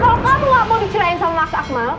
jadi kalau kamu enggak mau dicintain sama mas akmal